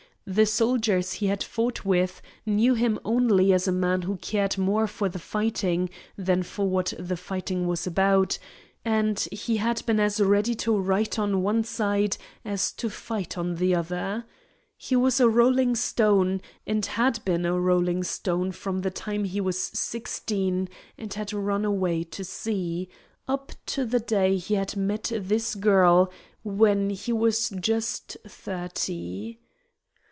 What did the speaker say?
The soldiers he had fought with knew him only as a man who cared more for the fighting than for what the fighting was about, and he had been as ready to write on one side as to fight on the other. He was a rolling stone, and had been a rolling stone from the time he was sixteen and had run away to sea, up to the day he had met this girl, when he was just thirty.